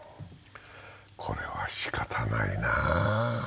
これはしかたないな。